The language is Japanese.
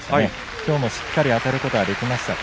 きょうもしっかりあたることができました。